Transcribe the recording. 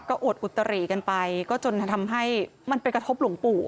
อวดอุตรีกันไปก็จนทำให้มันไปกระทบหลวงปู่